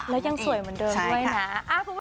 แล้วยังสวยเหมือนเดิมด้วยนะ